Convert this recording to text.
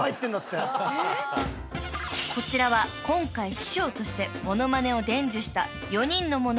［こちらは今回師匠としてモノマネを伝授した］